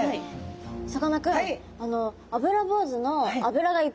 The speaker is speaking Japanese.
さかなクン。